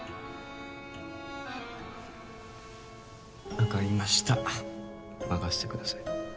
わかりました任せてください。